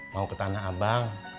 mau ke tanah abang